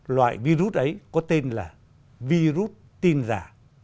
loại virus ấy có tên là virus tin giả